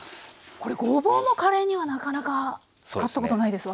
ごぼうもカレーにはなかなか使ったことないです。